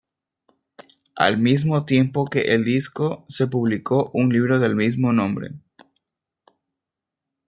Al mismo tiempo que el disco, se publicó un libro del mismo nombre.